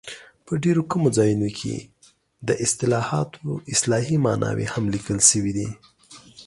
په ډېرو کمو ځایونو کې د اصطلاحاتو اصطلاحي ماناوې هم لیکل شوي دي.